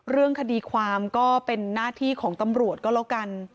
เรื่องคดีความก็เป็นหน้าที่ของตำรวจก็แล้วกัน